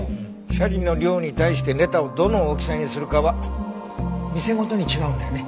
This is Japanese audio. シャリの量に対してネタをどの大きさにするかは店ごとに違うんだよね？